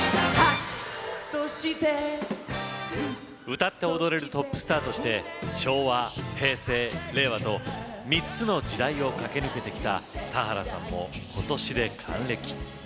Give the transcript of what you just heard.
歌って踊れるトップスターとして昭和、平成、令和と３つの時代を駆け抜けてきた田原さんも、ことし還暦。